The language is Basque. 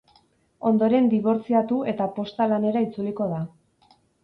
Ondoren dibortziatu eta posta lanera itzuliko da.